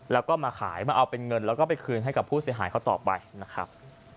แล้วก็มาขายมาเอาเป็นเงินแล้วก็ไปคืนให้กับผู้เสียหายเขาต่อไปนะครับ